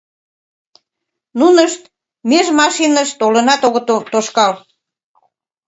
Нунышт меж машиныш толынат огыт тошкал.